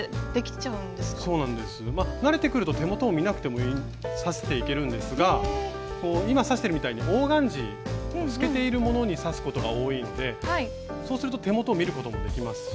慣れてくると手元を見なくても刺していけるんですが今刺してるみたいにオーガンジー透けているものに刺すことが多いのでそうすると手元を見ることもできますし。